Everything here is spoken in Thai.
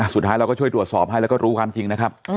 สุดท้ายเราก็ช่วยตรวจสอบให้แล้วก็รู้ความจริงนะครับ